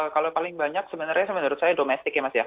kalau paling banyak sebenarnya menurut saya domestik ya mas ya